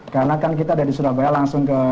karena kan kita dari surabaya langsung ke